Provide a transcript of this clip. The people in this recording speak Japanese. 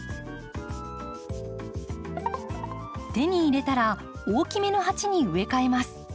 手に入れたら大きめの鉢に植え替えます。